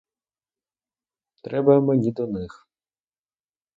Треба мені до них.